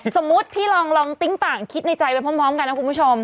สมมุติพี่ลองติ๊งต่างคิดในใจไปพร้อมกันนะคุณผู้ชม